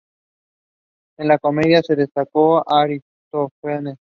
En la comedia se destacó Aristófanes.